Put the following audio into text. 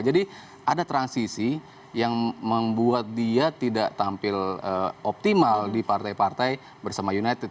jadi ada transisi yang membuat dia tidak tampil optimal di partai partai bersama united